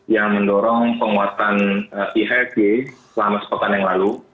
yang mendorong penguatan ihsg selama sepekan yang lalu